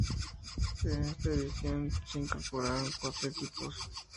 En esta edición se incorporaron cuatro equipos.